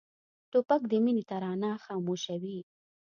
توپک د مینې ترانه خاموشوي.